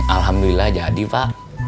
alhamdulillah jadi pak